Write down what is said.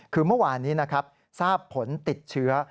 คือเมื่อวานนี้ทราบผลติดเชื้อ